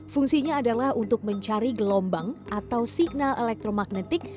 fungsinya adalah untuk mencari gelombang atau signal elektromagnetik